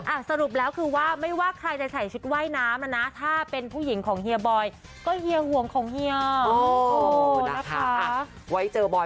อ่าสรุปแล้วคือว่าไม่ว่าใครจะใส่ชุดว่ายน้ำถ้าเป็นผู้หญิงของเฮียบ๋อยก็เฮียห่วงของเฮีย